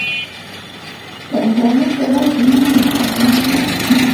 د انټرنیټ له لارې فلمونه لیدل اسانه شوي.